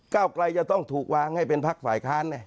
เก้าไกลจะต้องถูกวางให้เป็นพักฝ่ายค้าน